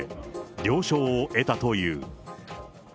了承を得たという。